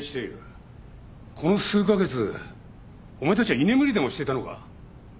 この数か月お前たちは居眠りでもしていたのか？